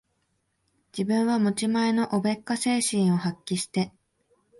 自分は持ち前のおべっか精神を発揮して、